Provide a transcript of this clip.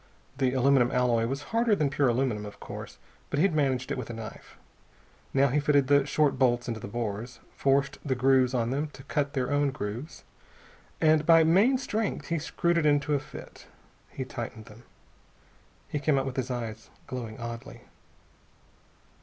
The aluminum alloy was harder than pure aluminum, of course, but he had managed it with a knife. Now he fitted the short bolts in the bores, forced the threads on them to cut their own grooves, and by main strength screwed them in to a fit. He tightened them. He came out with his eyes glowing oddly.